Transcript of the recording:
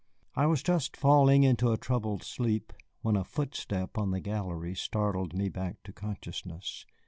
I was just falling into a troubled sleep when a footstep on the gallery startled me back to consciousness.